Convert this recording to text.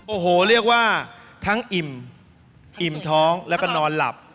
โอ้โหเรียกว่าทั้งอิ่มอิ่มท้องแล้วก็นอนหลับ